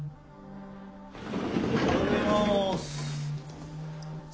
おはよございます。